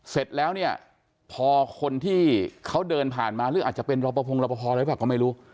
เสร็จแล้วเนี่ยพอคนที่เขาเดินผ่านมาหรืออาจจะเป็นรอปภงรอปภหรือเปล่าก็ไม่รู้